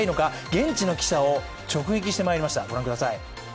現地の記者を直撃してまいりました。